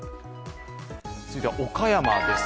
続いては岡山です